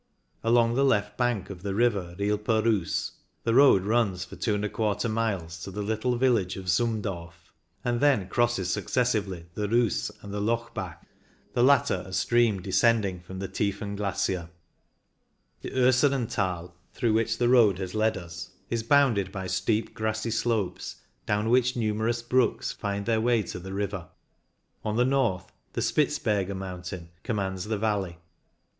Along the left bank of the river Realper Reuss the road runs for 2 J miles to the little village of Zumdorf, and then crosses successively the Reuss and the Lochbach, the latter a stream descending from the Tiefen Glacier. The Urseren Thai, through which the road has led us, is bounded by steep grassy slopes, down which numerous brooks find their way to the river. On the north the Spitzberge mountain commands the valley.